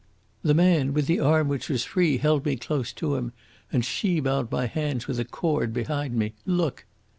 The man, with the arm which was free, held me close to him, and she bound my hands with a cord behind me. Look!"